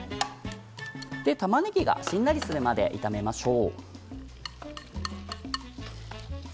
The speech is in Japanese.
たまねぎがしんなりするまで炒めましょう。